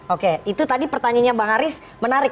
oke itu tadi pertanyaannya bang haris menarik